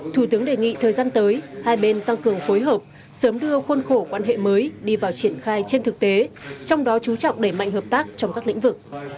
thủ tướng đề nghị thời gian tới hai bên tăng cường phối hợp sớm đưa khuôn khổ quan hệ mới đi vào triển khai trên thực tế trong đó chú trọng đẩy mạnh hợp tác trong các lĩnh vực